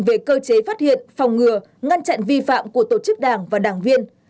về cơ chế phát hiện phòng ngừa ngăn chặn vi phạm của tổ chức đảng và đảng viên